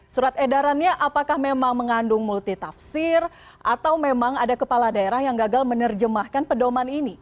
surat edarannya apakah memang mengandung multitafsir atau memang ada kepala daerah yang gagal menerjemahkan pedoman ini